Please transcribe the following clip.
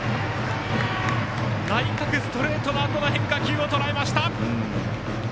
内角ストレートのあとの変化球をとらえました！